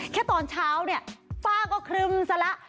ตอนเช้าเนี่ยฟ้าก็ครึมซะละ